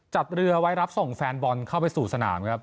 จัดเรือไว้รับส่งแฟนบอลเข้าไปสู่สนามครับ